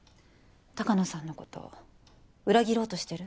鷹野さんのこと裏切ろうとしてる？